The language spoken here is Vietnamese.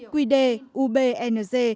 quy đề ubng